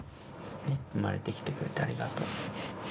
生まれてきてくれてありがとう。